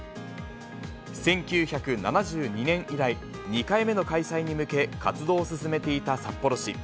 １９７２年以来、２回目の開催に向け、活動を進めていた札幌市。